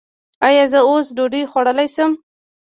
ایا زه اوس ډوډۍ خوړلی شم؟